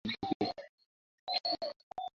আমাদের প্রথমে জানিতে হইবে, এই অবিদ্যা কি।